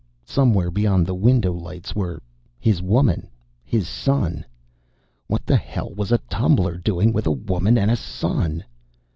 Somewhere beyond the window lights were his woman, his son. What the hell was a tumbler doing with a woman and a son?